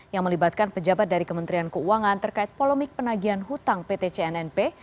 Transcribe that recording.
yang melibatkan pejabat dari kementerian keuangan terkait polemik penagihan hutang pt cnnp